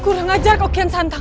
kurang ajar kok kian santang